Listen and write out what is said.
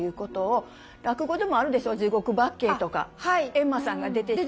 閻魔さんが出てきて。